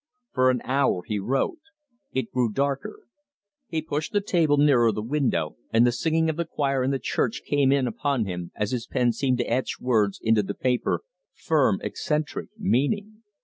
For an hour he wrote. It grew darker. He pushed the table nearer the window, and the singing of the choir in the church came in upon him as his pen seemed to etch words into the paper, firm, eccentric, meaning.